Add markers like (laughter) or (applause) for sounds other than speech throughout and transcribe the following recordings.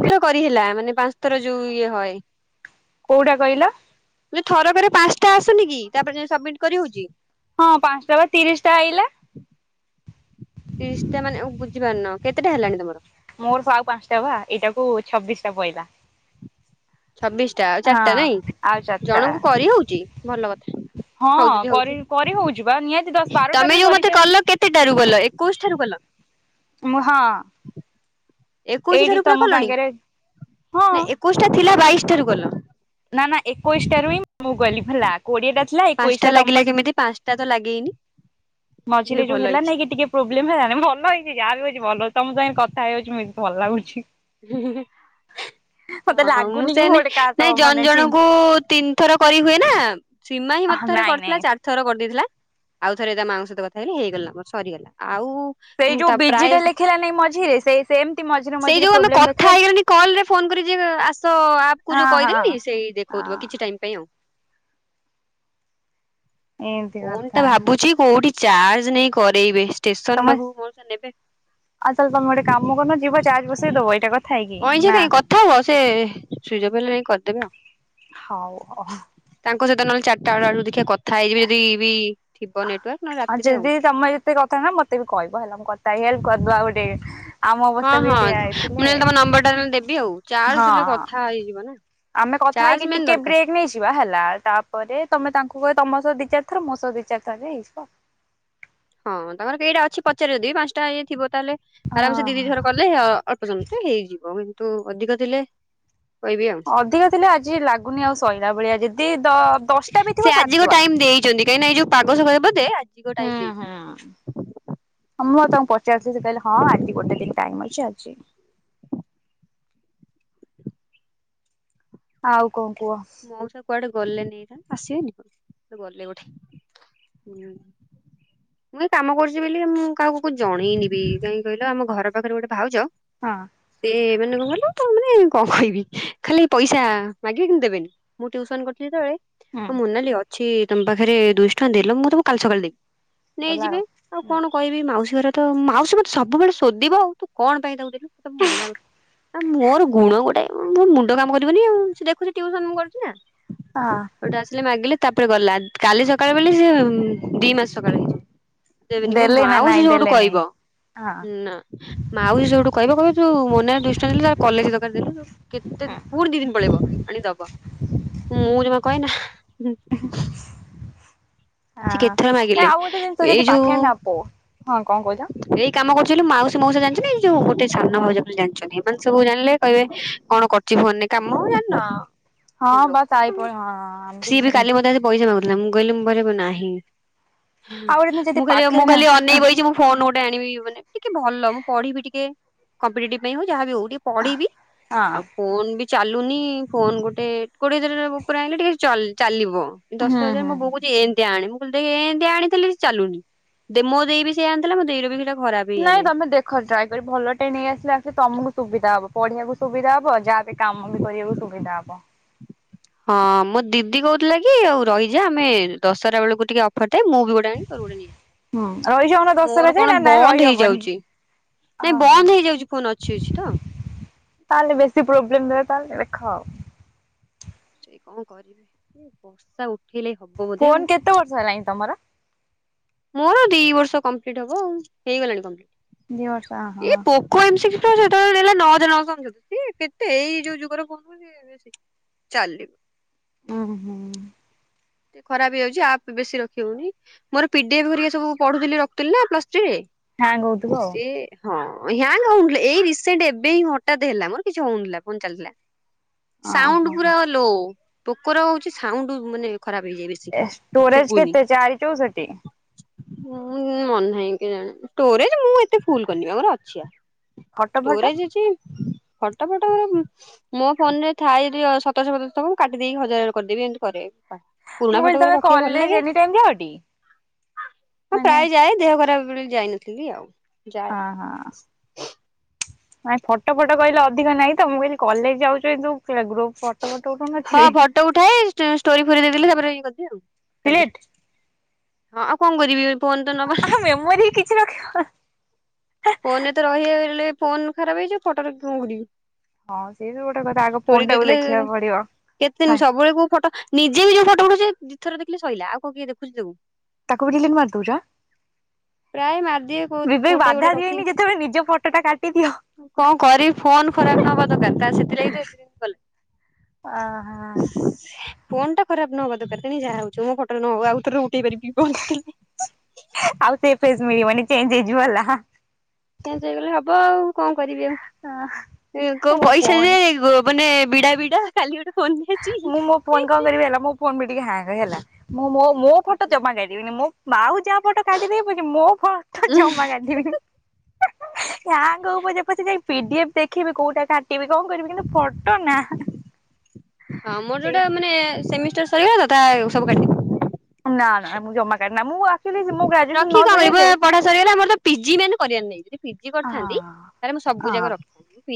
(inaudible) କରିହେଲା ମାନେ ପାଂଶ ଥର ଯୋଉ ଇଏ ହଏ। କୋଉଟା କହିଲ? ଲୋ ଥରକରେ ପାଂଶଟା ଆସୁନି କି ତାପରେ ଯାଇଁ ସବମିଟ୍ କରିହଉଚି। ହଁ ପାଂଶଟା ବା ତିରିଶଟା ଆଇଲା। ତିରିଶଟା ମାନେ ଉଁ ବୁଝିପାରୁନ କେତେଟା ହେଲାଣି ତମର? ମୋର ପା ଆଉ ପାଞ୍ଚଟା ବା ଏଇଟାକୁ ଛବିଶଟା ପଇଲା‌। ଛବିଶଟା ଆଉ ଚାରଟା ନାଇଁ ହଁ ଆଉ ଚାରିଟା ଜଣୁଙ୍କୁ କରି ହଉଚି ଭଲ କଥା। ହଉ ହଁ ଯଦି କରି ହଉଛି। କରି ହଉଚି ବା ନିହାତି ଦଶ ବାରୁଟା ତମେ ବି ଯୋଉ କରି ମତେ ଚାଲ୍ କଲ କେତେଟାରୁ କଲ ଏକୋଇଶ ଠାରୁ କଲ? ମୁଁ ହଁ। ଏକୋଇଶି ଏଇଠି ଠାରୁ ପୁରା ତମ କଲଣି ସାଙ୍ଗରେ ହଁ ନା ଏକୋଇଶଟା ଥିଲା ବାଇଶିଠାରୁ କଲ? ନା ନା ଏକୋଇଶଟାରୁ ହିଁ ମୁଁ କଲି (unintelligible) କୋଡିଏଟା ଥିଲା ପାଞ୍ଚଟା ଏକୋଇଶଟା ତମ ଲାଗିଲା ପାକ୍ ଉଁ କେମିତି ପାଞ୍ଚଟା ତ ଲାଗେଇନି। ହେ ମଝିରେ ଯୋଉ ଭଲ ହେଲା ହେଇଛି। ନାଇଁ କି ଟିକେ ପ୍ରୋବ୍ଲେମ୍ ହେଲାନି ଭଲ ହେଇଚି ଯାହା ବି ହୋଇଚି ଭଲ ହଉଚି ତମ ସାଙ୍ଗେରେ କଥା ହେଇଯାଉଚି (unintelligible) ଭଲ ଲାଗୁଛି। ହୁଁ ହୁଁ ହୁଁ ମତେ ଆ ମୁଁ ଲାଗୁନି କି ଗୋଟେ ସେନେଇ କାହା ନାଇଁ ସହ ଜ ଉଁ ମାନେ ଜଣଙ୍କୁ ତିନି ଥର କରି ହୁଏ ନା ସୀମା ହି ମତେ ଚିହ୍ନି ଥରେ ନାଇଁ କରିଥିଲା ନାଇଁ ଚାର୍ ଥର କରିଦେଇଥିଲା ଆଉ ଥରେ ତା ମାଙ୍କ ସହିତ କଥା ହେଲି ହେଇଗଲା ମୋର ସରିଗଲା ଆଉ ସେଇ ଯୋଉ ତା ପ୍ରାୟ ବିଜିଟା ଲେଖିଲା ନାଇଁ ମଝିରେ ସେଇ ସେମତି ମଝିରେ ସେଇ ମଝିରେ ଯୋଉ ଆମେ ପ୍ରୋବ୍ଲେମ୍ ଦେଖ୍ କଥା ହେଇଗଲିଣି କଲରେ ଫୋନ କରି ଯିଏ କଇବ ଆସ ଆପକୁ ଯୋଉ ହଁ ହଁ କଇଦେଲିନି ସେଇ ଦେଖଉଥୁବ କିଛି ହଁ ଟାଇମ୍ ପେଇଁ ଆଉ। ଏମିତି ଫୋନଟା କଥା ଭାବୁଚି କୋଉଠି ଚାର୍ଜ ନେଇ କରେଇବେ ଷ୍ଟେସନ ତମେ ପାଖୁକୁ ମଉସା ନେବେ? ଆଉ ତାହେଲେ ତମେ ଗୋଟେ କାମ କରୁନ ଯିବ ଚାର୍ଜ ବସେଇଦବ ଏଇାଟା କଥା ହେଇକି? କିଛି ନା ନାହିଁ କଥା ହୁଅ ସେ ସୁଇଜ୍ ଅଫ୍ ହେଲେ ଯାଇଁ କରିଦେବେ ଆଉ‌। ହଉ ଅହ୍। ତାଙ୍କ ସହିତ ନହେଲେ ଚାରିଟାବେଳ ଆଡୁକୁ ଦେଖିଆ କଥା ହେଇଯିବି ଯଦି ବି ଥିବ ନେଟୱାର୍କ ନହେଲେ ରାତିରେ ଆଉ। ଯଦି ତମେ ଏତେ କଥା ନା ମତେ ବି କହିବ ହେଲା ମୁଁ କତା ହେଇ ହେଲ୍ପ କରିଦବା ଆଉ ଗୋଟେ ଆମ ଅବସ୍ତା ବି ସେଇଆ ହେଇଥିଲେ। ନମ୍ବରଟା ନହେଲେ ଦେବି ଆଉ ଚା ହଁ ହଁ ଆମେ କଥା ଚାର୍ଜ ହେଇକି ମେନ୍ ଟିକେ ଦରକାର। ବ୍ରେକ୍ ନେଇ ଯି ଯିବା ହେଲା ତାପରେ ତମେ ତାଙ୍କୁ କହିବ ତମ ସହ ଦି ଚାରି ଥର ମୋ ସହ ଦି ଚାରି ଥରରେ ହେଇଯିବ। ହଁ ତାଙ୍କର କେଇଟା ଅଛି ପଚାର ଯଦି ପାଂଶ୍ ଟା ଇଏ ଥିବ ତାହେଲେ ଆରାମସେ ଦି ଦି ହଁ। ଥର କଲେ ହ ଅଳ୍ପ ସମୟ ଭିତେରେ ହେଇଯିବ। ତୁ ଅଧିକ ଥିଲେ କହିବି ଆଉ। ଅଧିକା ଥିଲେ ଆଜି ଲାଗୁନି ଆଉ ସଇଲା ଭଳିଆ ଯେଦି ଦ ବ୍ ସିଏ ଆଜିକ ଟାଇମ୍ ଦେଇଚନ୍ତି କାହିଁକି ନା ଏଇ ଯୋଉ ପାଗ ସକାଶେ ବୋଧେ ଆଜିିକ ଟାଇମ୍ ଦେଇଛନ୍ତି। ହଁ ମୁଁ ଆଉ ତାଙ୍କୁ ପଚାରଥିଲି ସିଏ କହିଲେ ହଁ ଆଜି ଗୋଟେ ଦିନ ଟାଇମ୍ ଅଛି ଆଜି ଆଉ କଣକୁହ? ମଉସା କୁଆଡେ ଗଲେ ଏଇନା ଆସିବେନି କଣ ଗଲେ ଗୋଠେ ମୁଁ ଏ କାମ କରୁଛି ବୋଲି ମୁଁ କାହାକୁ ମୁ ଜଣେଇନିବି କାଇହିଁ କହିଲ ଆମ ଘର ପାଖରେ ଗୋଟେ ଭାଉଜ ହଁ। ସେ ମାନେ କଣ କିଲ ତ ମାନେ କଣ କହିବି ଖାଲି ପଇସା ମାଗିବେ କିନ୍ତୁ ଦେବେନି। ମୁଁ ଟ୍ଯିଉସନ କରିଥିଲି ଯେତେବେଳେ ହୁଁ। ମୁନାଲି ଅ ଅଛି ତମ ପାଖରେ ଦୁଇଶହ ଟଙ୍କା ଦେଲ ମୁଁ ତମକୁ କାଲି ସକାଳେ ଦେବି ନେଇଯିବି ଆଉ କଣ? କହିବି ମାଉସୀ ଘର ତ ମାଉସୀ ମୋତେ ସବୁବେଳେ ଶୋଧିବ ଆଉ ତୁ କଣ ପାଇଁ ତାକୁ ଦେିଲୁୋତେ ମନା ମୋର ଗୁଣ ଗୋଟେ ମୋ ମୁଣ୍ଡ କାମ କରିବନି ଆଉ ସେ ଦେଖୁଛିମୁ ଟିଉସନ କରୁଛି ନା ହଁ। ଗୋଟେ ଆସିଲେ ମାଗିଲେ ତାପରେ ଗଲା କାଲି ସକାଳ ବ ସେ ଦି ମାସ ସକାଳେ ହେଇଛି। ଦେବନି ମୋ ଦେଲେ ନା ମାଉସି ନାଇଁ ଯୋଉଠୁ ଦେଲେ ନାଇଁ କହିବ ହଁ। ଉ ନା ମାଉସୁ ସେଠୁ କହିବ କହିବ ଯୋଉ ମନେ ଦୁଇଶ ଟଙ୍କା କଲେଜ ଦର ଦେଥିଲୁ କେତେ ହଁ। ପୁଣି ଦି ଦିନ ପଳେଇବ। ଆଣିଦବ ମୁଁ ଜମା କହେ ନା ସେ କେତଥର ହଁ ମାଗିଲେ ଆଉ ଗୋଟେ ଜିନିଷ ଯଦି ଏଇ ଯୋଉ ପାଖରେ ନପ ହଁ କଣ କହୁଛ? ଏଇ କାମ କରୁ ମାଉସୀ ମାଉସା ଜଣିଛନ୍ତି ଯୋଉୋଟ ସାନ ଭାଉଜ ବୋଲି ଜଣିଛନ୍ତି ଏମାନେ ସବୁ ଜାିଲେ କହିବେ କଣ କର। ଫୋନରେ କାମ ହ ଜାଣ ହଁ ବାସ୍ ଆଇ ଲୋକ ପହ ହଁ ସିଏ ବି କାଲି (unintelligible) ପଇସା ମାଗୁଥିଲା ମୁଁ କହିଲି ମୁଁ ନାହିଁ ଆଉ ଗୋଟେ ଯଦି ମୁଁ ଖାଲି ପାଖରେ ମୁଁ ନା ଖାଲି ଅନେଇ ଫୋନ ଗୋଟେ ଆଣିବି ମାନେ ଟିକେ ଭଲ ମୁଁ ପଢିବି ଟିକେ କମ୍ପିେଟିଭ ପାଇଁ ହଉ ଯାହା ହଉ ପଢିବି ହଁ ଆଉ। ଫୋନ ବି ଚାଲୁନି ଫୋନ ଗୋଟେ କୋଡିଏ ହଜାର ଉପରେ ଆଣିଲେ ଟିକେ ଚାଲିବ ହୁଁ ଦଶ ହଜାର ମୁଁ ହୁଁ। ବଉ କହୁଛି ଏ ଆ ଆଣି ମୁଁ କଆ ଆଣିଥିଲି ସେ ଚାଲୁନି ମୋ ଦେଇ ବି ସେଆ ଆଣିଥିଲା ମୋ ଦେଇ ର ବି ସେଇଟା ଖରାପ। ନାଇଁ ହେଇଗଲା ତମେ ଦେଖ ଟ୍ରାଏ କରି ଭଲ ଟେ ନେଇଆସିଲେ ଆସିଲେ ତମକୁ ସୁବିଧା ହବ ପଢିବାକୁ ସୁବିଧା ହବ ଯାହା ଦେ କାମ ବି କରିବାକୁ ସୁବିଧା ହବ ହଁ ମୋ ଦିଦି କହୁଥିଲା କି ଆଉ ରହିଯା ଆମେ ଦଶରା ବେଳକୁ ଟିକେ ଅଫର ଥାଏ ମୁଁ ବି ଗୋଟେ ମୋର ଗୋଟେ ଆଣିବି ତୋର ହୁଁ ରହିଯାଉନ ନେଇଆସିବି ଦଶହରା ମୋର ଯାଏ କଣ ନା ନାଇଁ ବନ୍ଦ ରହିହବନି। ହେଇଯାଉଛି। ନାଇଁ ଓହୋ ବନ୍ଦ ହେଇଯାଉଛି ଫୋନ ଅଛି ଅଛି ତ ତାହେଲେ ବେଶୀ ପ୍ରୋବ୍ଲେମ ହେଇଥାତା ତାହେଲେ ଦେଖ ସେ କଣ କରିବେ ବର୍ଷା ଉଠେଇଲେ ହବ। ବୋଧେ ଆଉ ଫୋନ କେତେ ବର୍ଷ ହେଲାଣି ତମର ମୋର ଦି ବର୍ଷ କମ୍ପ୍ଲିଟ୍ ହବ ଆଉ ହେଇଗଲାଣି କମ୍ପ୍ଲିଟ। ଦୁଇ ବର୍ଷ ହ ହଁ। (unintelligible) ଚାଲୁ ଓଁ ହୋଁ। ଖରାପ ହେଇଯାଉଛି ଆପ ବେଶୀ ରଖି ହଉନି ମୋର ପିଡିିଏଫ୍ ସବୁ ପଢୁି ରଖୁଥିଲି ନା ପ୍ଲସ୍ ଥ୍ରୀରେ ହ୍ୟାଙ୍ଗ ହଉଥିବ ସେଏ ହଁ ହୟଙ୍ଗ ହଉନଥିଲା ଏଇ ରିସେଣ୍ଟ ଏବେ ହି ହଠାତ୍ ହେଲା ମୋର କିଛି ହଉନଥିଲା ଫୋନ୍ ଚାଲିଥିଲା। ଆଉ ସାଉଣ୍ଡ ଓହୋ। ପୁରା ଲୋ ପୋକର ହଉଛି ସାଉଣ୍ଡ ମାନେ ଖରାପ ହେଇଯାଇଏ ବେସି ଷ୍ଟୋରେଜ କେତେ ଚାରି ଟୁ (unintelligible) ମୋ କାଇଁ ମନେ ନାହିଁ କେଜାଣି ଷ୍ଟୋରେଜ୍ ମୁ ଏତେ ଫୁଲ କରିନି ବା ମୋର ଅଛି ଆ। ଫଟୋ ଫଟ ଷ୍ଟୋରେଜ ଅଛି ଫଟ ଫଟରା ମୋ ଫୋନ ରେ ଥାଏ ଯଦି ସତରଶହ ସତରଶହ କାଟି ଦେଇେଇକି ହଜାର କରିଦେବି ଏମିତି କରେ। ମୁଁ ପୁରୁଣା କହିଲି ଫଟୋ ତମେ ଗୁରା ରଖିବାକୁ ଭଲ କଲେଜ ଲାଗେ। ଏନି ଟାଇମ ଯାଅଟି ହଁ ମାନେ ପ୍ରାୟ ଯାଏ ଦେହ ଖରାପ ବେଳୁ ଯାଇନଥିଲି ଆଉ। ଯାଏ ହଁ ହଁ। ନାଇଁ ଫଟୋ ଫଟ କହିଲେ ଅଧିକ ନାଇଁ ତ ମୁଁ କହିଲି କଲେଜ ଯାଉଛୁ କିନ୍ତୁ ଗ୍ରୁପ ଫ ହଁ ଫଟୋ ଉଠାଏ ଷ୍ଟୋରି ଫୋରି ଦେଇ ଦେଲେ ତାପରେ ଇଏ କରିଦିଏ ଆଉ। ଡିଲିଟ୍ ହଁ ଆଉ କଣ କରିବି ଫୋନ ତ ନବା। ଆ ମେମୋରି କିଛି ରଖିବ। ଫୋନରେ ତ ରହିଗଲେ ଫୋନ ଖରାପ ହେଇଯିବ ଫଟ ରଖିକି କଣ କରିବି। ହଁ ସିଏ ବି ଗୋଟେ କଥା ଆଗ ଷ୍ଟୋରି ଫୋନ୍ ଟାକୁ ଦେଇଦେଲେ ଦେଖିବାକୁ ପଡିବ। କେତେ ଦିନ ହାଏ ସବୁବେଳେ କୋଉ ଫଟ ନିଜେ ବି ଯୋଉ ଫଟୋ ଉଠଉଛି ଦି ଥର ଦେଖିଲେ ସଇଲା ଆଉ କଣ କିଏ ଦେଖୁଛି ତାକୁ। ତାକୁ ବି ଡିଲିଟ ମାରିଦଉଛ ପ୍ରାୟ ମାରିଦିଏ କୋଉ ବିିବେକ କୋଉଟା ଗୋଟେ ବାଧା ଦିଏ ରଖି ଯେତେବେଳେ ନିଜ ଫଟୋଟା କାଟିଦିଅ। କଣ କରିବି ଫୋନ ଖରାପ ନହବା ଦରକାର ତା ସେଥିଲାଗି ତ ଏଥିରେ ଫୋନ୍ ଟା ଖରାପ ନହବା ଦରକାର ତେଣିକି ଯାହା ହଉଛି ହଉ ମୋ ଫଟୋ ରେ ନ ହଉ ଆଉଥରେ ଉ ଟି କରିବି ପହଞ୍ଚଥିଲି। ପେଜ୍ ମେ ମାନେ ଚେଞ୍ଜ ହେଇଯିବ ହେଲା। ଚେଞ୍ଜ ହେଇଗଲେ ହବ ଆଉ କଣ କରିବି ଆଉ କୋଉ ମୋ ପଇସା ଫୋନ ଜେ ଗୋ ମାନେ ବିଡା ବିଡା ଖାଲି ଗୋଟେ ଫୋନ ମୁଁ ମୋ ଫୋନ୍ କଣ କରିବି ହେଲା ମୋ ଫୋନ୍ ବି ଟିକେ ହ୍ୟାଙ୍ଗ ହେଲା ମୁଁ ମୋ ମୋ ଫଟୋ ନେଇଆସିବି। ଜମାଛାଡିବିନି ମୁଁ ବାଉ ଯାହା ଫଟୋ କାଟିିଦେବି ପଛେ ମୋ ଫଟୋ ଜମା କାଟିବିନି। ହ୍ୟାଙ୍ଗେ ହଉ ପଛେ ପଛେ ଯାଇକି ପି ଡି ଏଫ୍ ଦେଖିବି କୋଉଟା କାଟିବି କଣ କରିବି କିନ୍ତୁ ଫଟ। ତ ନା। ହଁ ମୋର ଯୋଉଟା ମାନେ ସେମିଷ୍ଟାର ସରଗଲା ତତା ସବୁ କାଟି ଦେବି। ନା ନା ମୁଁ ଜମା କାଡେନା ମୁଁ ଆସିଲି ମୋ ଗା ରଖି କଣ କରିବୁ ପଢା ସରିଗଲା ମୋର ତ ପିଜି ମାନେ କରିବାର ନାଇ। ଫିଜି କରିଥାନ୍ତି ତାହେଲେ ମୁଁ ସବୁ ହଁ ଯାକ ରଖିି ପି ପି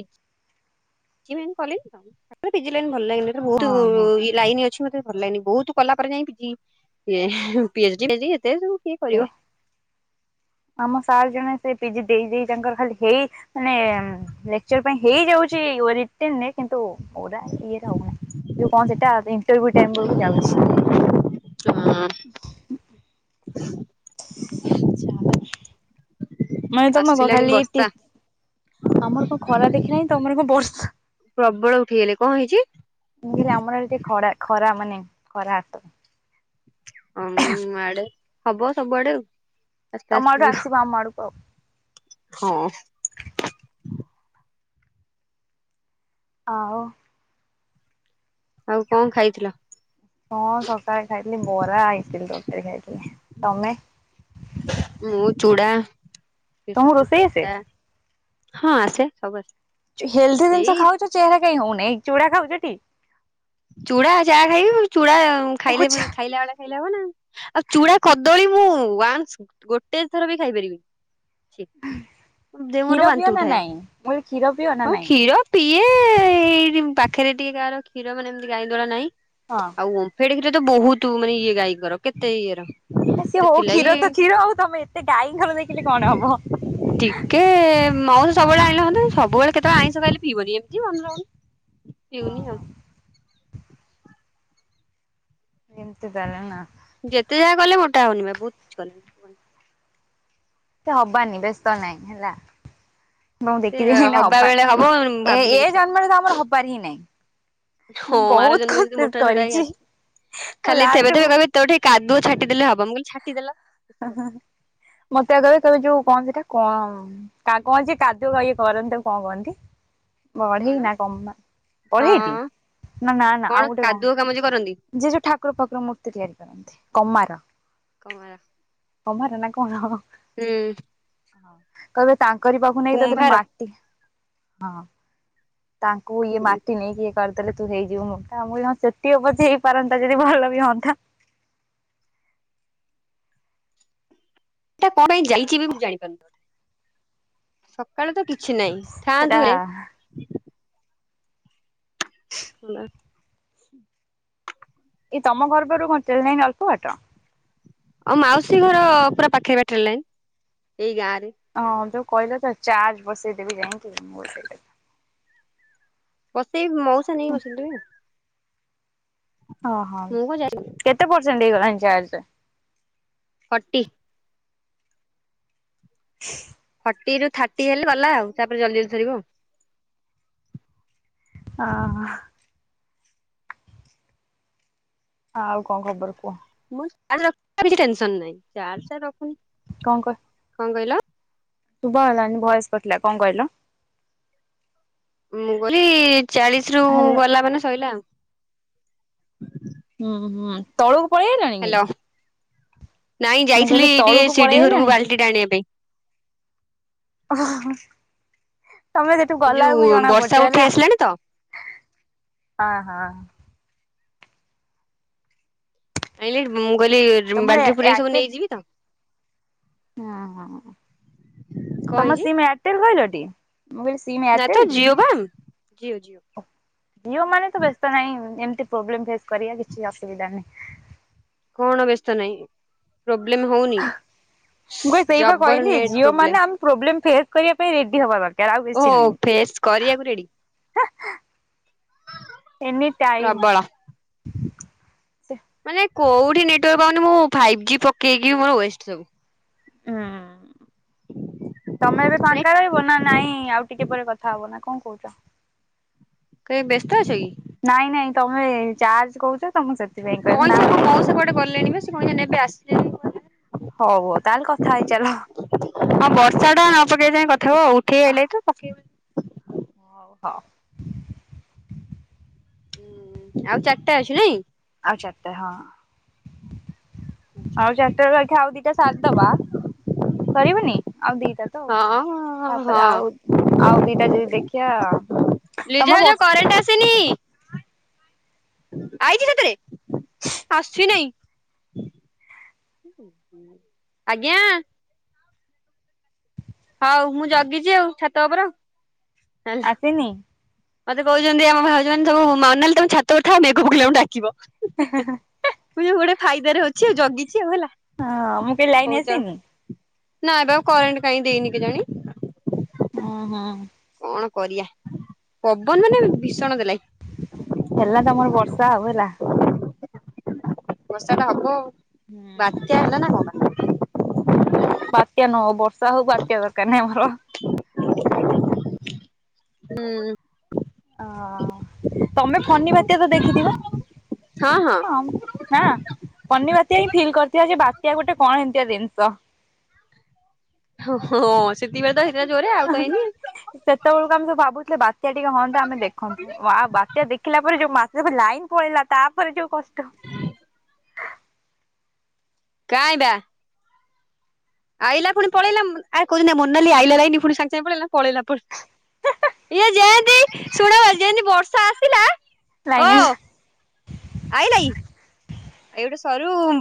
ଜି କଲିନି ତା ପରେ ପିଜି ଲାଇନ ଭଲ ଲାଗେନି ହେରା ବହୁତ ହଁ ହଁ ଇ ଲାଇନ ଅଛି ମତେ ଭଲ ଲାଗେନି ବହୁତ କଲା ପରେ ଯାଇ P G P H D ଏତେ ସବୁ କିଏ କରିବ ଆମ ସାର୍ ଜଣେ ସେ ପିଜି ଦେଇ ଦେଇେ ତାଙ୍କର ଖାଲି ହେଇ ମାନେ ଲେକ୍ଚର ପାଇଁ ହେଇଯାଉଛି ଓରିଟେନରେ। କିନ୍ତୁ ମୋରାଲ ଇଏରେ ହଉନି। ଯୋଉ କଣ ସେଟା ଇଣ୍ଟର୍ଭିୟୁ ଟାଇମ୍ ବେଳକୁ ଯାଉଛି। ହଁ ମାନେ ତୁମେ କଣ ଆସିଲାଣି ଖାଲି ବର୍ଷା (inaudible) ଆମର କଣ ଖରା ଦେଖେଇଲାଣି ତମର କଣ ବର୍ଷା। ପ୍ରବଳ ଉଠେଇଗଲେ କଣ ହେଇଛି ମୁଁ କଇଲି ଆମର ଇଆଡେ ଟିକେ ଖରା। ଖରା ମାନେ ଖରା ଆତ।। ଅମ ହବ ସବୁଆଡେ ଆଉ। ଆସ୍ତେ ତମ ଆଡୁ ଆସ୍ତେ ଯିବ। ଆସିବ ଆମ ଆଡକୁ ଆଉ। ହଁ। ଆଉ ଆଉ କଣ ଖାଇଥିଲ? ହଁ ସକାଳେ ଖାଇଥିଲି ବରା ଇଟିଲି ତରକାରୀ ଖାଇଥିଲି। ତମେ? ମୁଁ ଚୁଡ଼ା, ତମକୁ ବିସ୍କୁଟ, ରୋଷେଇ ଆସେ? ଚା ହଁ ଆସେ। ସବୁ ଆସେ। ହେଲଦି ଜିନିଷ ଏଇ ଖାଉଛ ଚେହେରା କାଇଁ ହଉନାଇଁ ଚୁଡା ଖାଉଚଟି? ଚୁଡ଼ା ଚାହା ଖାଇବି ଚୁଡା ଓ ଖାଇଲେ ଛା ଖାଇଲା ବେଳେ ଖାଇଲେ ହବନା ଆଉ ଚୁଡା କଦଳୀ ମୁଁ ଉଆନ୍ସ ଗୋଟେ ଥର ବି ଖାଇପାରିବିନି। ଦେହ କ୍ଷୀର ମୋର ପିଅ ବାନ୍ତି ନା ଉଠାଏ ନାଇଁ ମୁଁ କହିଲି କ୍ଷୀର ପିଅ ନା ହଉ ନାଇଁ କ୍ଷୀର। ପିଏ ଏଇ ପାଖରେ ଟିକେ କାହାର କ୍ଷୀର ମାନେ ଏମିତି ଗାଈ ଦୋଳା ନାହିଁ। ହଁ। ଆଉ ଓମ୍ଫେଡ କ୍ଷୀର ତ ବହୁତ ମାନେ ଇଏ ଗାଈଙ୍କର କେତେ ଇଏର। ସିଏ ହଉ ସେଥିଲାଗି କ୍ଷୀର ତ କ୍ଷୀର ଆଉ ତମେ ଏତେ ଗାଈଙ୍କର ଦେଖିଲେ କଣ ହବ। ଟିକେ ମାଉଁସ ସବୁବେଳେ ଆଣିଲେ ହଅନ୍ତା। ସବୁବେଳେ କେତେବେଳେ ଆଇଁଷ ଖାଇଲେ ପିଇବନି। ଏମିତି ମ। ପିଉନି ଆଉ। ଏମିତି ତାହେଲେ ନା। ଯେତେ ଯାହା କଲେ ମୋଟା ହଉନି ବା ବହୁତ କିଛି କଲିଣିି। ସେ ହବାନି ବ୍ୟସ୍ତ ନାଇଁ ହେଲା। (unintelligible) ସେ ଦେଖିଦେଲେ ହେଲେ ହବା, ବେଳେ ହବ ଏ ଭାବିଲେ ଏ କିଛି ହବନି ଜନ୍ମରେ ତ ଆମର ହବାର ହିଁ ନାଇଁ। ହଁ ଆର ବହୁତ ଜନ୍ମ ଯଦି କୋଷିସ୍ ମୋଟା ସୋଟା ହେଇ କରିଛି, ଆସି ମୁଁ ଖାଲି ଥେବେ ଥେବେ ଲାଷ୍ଟୁକୁ କହିବେ ତୋ ଠେଇ କାଦୁଅ ଛାଟିଦେଲେ ହବ। ମୁଁ କଇଲି ଛାଟିଦେଲ। ମୋତେ ଆ, କଇବେ କଇବେ ଯୋଉ କଣ ସେଟା କଣ ଉଁ, ତା କଣ ଯେ କାଦୁଅ ଇଏ କରନ୍ତି ତାକୁ କଣ କହନ୍ତି? କଣ ବଢେଇ ନା କମ୍ବା, ବଢେଇ ଟି ହଁ ନା ନା ନା ଆଉ ଗୋଟେ କଣ? କାଦୁଅ କାମ ଯେ କରନ୍ତି ଯିଏ ଯୋଉ ଠାକୁର ଫାକୁର ମୂର୍ତ୍ତି ତିଆରି କରନ୍ତି, କମାର। କୁମ୍ଭାର। କମ୍ଭାର ନା କଣ? ହୁଁ। କଇବେ ତାଙ୍କରି ପାଖକୁ ନେଇକି ତୋ ଦେହରେ କୁମ୍ଭାର ମାଟି ତାଙ୍କୁ ଇଏ ମା ଏଟା ଟି ନେଇକି ଇଏ କରିଦେଲେ ତୁ ହେଇଯିବୁ ମୋଟା, ଆଉ। ମୁଁ କଇଲି ହଁ ସେତିକ ପଛେ ହେଇପାରନ୍ତା ଯଦି ଭଲ ବି ହଅନ୍ତା। ସେଟା କଣ ପାଇଁ ଯାଇଛି ବି ମୁଁ ଜାଣିପାରୁନି। ସକାଳୁ ତ କି ଛି ନାଇଁ, ସେଟା ଥାଆନ୍ତୁ ଏ ନା। ଏ ତୋମ ଘର ପାଖରୁ କଣ ଟ୍ରେନ୍ ଲାଇନ୍ ଅଳ୍ପ ବାଟ? ଆଉ ମାଉସୀ ଘର ପୁରା ପାଖେ ପା ଟ୍ରେଲ୍ ଲାଇନ୍, ଏଇ ଗାଁ ରେ। ଟ୍ରେନ୍ ହଁ ଲାଇନ୍। ଯୋଉ କଇଲ ତ ଚାର୍ଜ ବସେଇଦେବି ଯାଇକି। ମୁଁ ସେଇଟା ବସେଇ ମଉସା ନେଇକି ବସେଇଦେବେନି। ହଁ, ହଁ ମୁଁ କଣ ଯାଇନି କେତେ ପରସେଣ୍ଟ ହେଇଗଲାଣି ଚାର୍ଜ? ଫୋଟି। ଫର୍ଟି ରୁ ଥାର୍ଟି ହେଲେ ଗଲା ଆଉ, ତାପରେ ଜଲଦି ଜଲଦି ସରିବ। ଓ ହଁ। ଆଉ କଣ ଖବର କୁହ? ମୋର ଚାର୍ଜ ର (unintelligible) କିଛି ଟେନସନ୍ ନାଇ। ଚାର୍ଜ ଟା ରଖୁନି। କଣ କ କଣ କହିଲ? ଶୁବା ଗଲାନି ଭଏସ୍ କଟିଲା, କଣ କହିଲ? ମୁଁ କହିଲି ଚାଳିଶ ରୁ ହାଲୋ। କଲା ମାନେ ଶୋଇଲାା ଆଉ। ହୁଁ, ହୁଁ, ତଳକୁ ପଳେଇ ଆଇଲାଣି କି? ହ୍ୟାଲୋ। ନାଇଁ ମୁଁ ଯାଇଥିଲି କହିଲି ଟିକେ ତଳକୁ ପଳେଇ ସିଡି ଘରକୁ ଆଇଲାଣି ବାଲ୍ଟି ଟା ଆଣିବା ପାଇଁ। ଓ ହଁ, ତୋମେ ସେଠୁ ଏଇ ଗଲା ବେଳକୁ ଯୋଉ ଜଣା ବର୍ଷା ପଡୁଚ ଉଠେଇ ହେଲା। ଆସିଲାଣି ତ ଅ, ହଁ। ଆାଇିଲେ ମୁଁ କଇଲି ଯୁଁ ତମର ବାଲଟି ପୁରେଇକି ସବୁ ଏୟାରଟେଲ ନେଇଯିବି ତ। ହଁ, ହଁ କଣ ତୋମ ହେଇଛି ସିମ୍ ଏୟାରଟେଲ କହିଲ ଟି? ମୁଁ କଇଲି ସି ନା ତ ଜିଓ ବାନ୍? ଜିଓ ମାନେ ତ ବ୍ୟସ୍ତ ନାହିଁ ଏମିତି ପ୍ରୋବ୍ଲେମ୍ ଫେସ୍ କରିବା କିଛି ଅସୁବିଧା ନାହିଁ। କଣ ବ୍ୟସ୍ତ ନାହିଁ? ପ୍ରୋବ୍ଲେମ୍ ହଉନି? ମୁଁ କଇ ସେଇ ପା ଜବର କଇଲି ନେଟ ଜିଓ ପ୍ରୋବ୍ଲେମ ମାନେ ଆମ ପ୍ରୋବ୍ଲେମ୍ ଫେସ୍ କରିବା ପାଇଁ ରେଡି ହବା ଦରକାର ଆଉ କିଛି ଓହୋ ନାଇ। ଫେସ୍ କରିବାକୁ ରେଡି। Any time. ପ୍ରବଳ ମାନେ କୋଉଠି ନେଟୱାର୍କ ପାଉନି। ମୁଁ ଫାଇଭ୍ ଜି ପକେଇକି ମୋର ୱେଷ୍ଟ ସବୁ। ହଁ। ତୋମେ ଏବେ ମାନେ ଫାଙ୍କା ରହିବ ନା ନାଇଁ ଆଉ ଟିକେ ପରେ କଥା ହବ ନା କଣ କହୁଚ? କାଇଁ ବ୍ୟସ୍ତ ଅଛ କି? ନାଇଁ ନାଇଁ ତମେ ଚାର୍ଜ କହୁଚ। କଇଁ (inaudible) ମଉସା କୁଆଡେ ଗଲେଣି ବା ସେ କଁ ଏଇନା ନେବେ ଆସିିଲେ (unintelligible) ହଉ ହଉ ତାଲ୍ କଥା ହେଇଚାଲଃ। ହଁ ବର୍ଷା ଟା (unintelligible) ପକେଇ ଯାଏଁ କଥା ହବ ଆଉ ଉଠେଇ ଏଲତ ପକେଇବ (unintelligible) ଉ ହ। ଉଁ ଆଉ ଚାର୍ ଟା ଅଛି ନାଇଁ? ଆଉ ଚାର୍ ଟା ହଁ। ଆଚ୍ଛା ଆଉ ଚା ଆଚ୍ଛା। ଟା ରୁ ଏଖାଁ ଆଉ ଦିଟା ସାର୍ ଦବା ସରିବନି ଆଉ ଦିଟା ତ। ହଁ ତାପରେ ହଁ ଆଉ ଆଉ ଦି ଟା ଯଦି ଦେଖିଆ ଲିଜା ତମ ଯୋଉ ବର୍ଷ କରେଣ୍ଟ ଆଇଚି ସେତେରେ ଆସ୍‌ଛି ନେଇଁ। ଆଜ୍ଞା। ହଉ ମୁଁ ଜଗିଚି ଆଉ ଛାତ ଉପର (unintelligible) ତିନି। ମତେ କହୁଚନ୍ତି ଆମ ଭାଉଜମାନେ ସବୁ ମାନାଲି ତମେ ଛାତ ଉରେ ଥାଅ ମେଘ ପକେଇଲେ ଆମୁ ଡାକିବ। ମୁଁ (unintelligible) ଉ ଗୋଟେ ଫାଇଦାରେ ଅଛି ଆଉ ଜଗିଚି ଆଉ ଏଲା। ଅଁ ମୁଁ କେଇଲି ଲାଇନି ଆସିନି? ନାଁ ପା କାରେଣ୍ଟ୍ କାଇଁ ଦେଇନି କେଜାଣି। ଓଁ ହଁ। କଣ କରିଆ ପବନ୍ ମାନେ ଭୀଷଣ ଦେଲାଇ। ହେଲା ତମର ବର୍ଷା ଆଉ ଏଲା। ବର୍ଷା ଟା ହବ ଆଉ ହୁଁ ବାତ୍ୟା (inaudible) ଲା ନା କଁ ବା? ବାତ୍ୟା ନଅଉ ବର୍ଷା ହଉ ବାତ୍ୟା ଦରକାର ନାଇଁ ଆମର। (inaudible) ଉଁ। ଆଓ ତମେ ଫନି ବାତ୍ୟା ତ ଦେଖିଥିବ? ହଁ ଅଁ ନାଁ ଫନି ବାତ୍ୟା ହିଁ ଫିଲ୍ କରିଥିବ ଯେ ବାତ୍ୟା ଗୋଟେ କଣ ଏମିତିଆ ଦିନିଷ। ହଃ ହଁ ସେତିକି ବେଳେ ତ ହେଇତିଲା ଜୋରେ ଆଉ ତ ଏଇନି। ସେତେବେଳକୁ ଆମେ ସବୁ ଭାବୁଥିଲେ ବାତ୍ୟା ଟିକେ ହଅନ୍ତା ଆମେ ଦେଖନ୍ତୁ ୱାଆ ବାତ୍ୟା ଦେଖିଲା ପରେ ଯୋଉ ମା (unintelligible) ଲାଇନ୍ ପଳେଇଲା ତାପରେ ଯୋଉ କଷ୍ଟ। କାଇିଁ ବା? ଆଇଲା ପୁଣି ପଳେଇଲା ଉଁ ଆ କହୁଚନ୍ତି ଆ ମୋନାଲି ଆଇଲା ଲାଇନି ଫୁଣି ସାଙ୍ଗ୍ ସାଙ୍ଗେ ପଳେଇଲା ପଳେଇଲା ପ ଇଏ ଯେଁତି ଶୁଣ ଯେମିତି ବର୍ଷା ଆସିଲା ଓ ଲାଇନ ଆଇଲା ଇ ଏ ଗୋଟେ ସରୁ